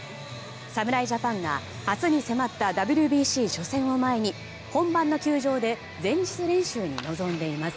侍ジャパンが明日に迫ったＷＢＣ初戦を前に本番の球場で前日練習に臨んでいます。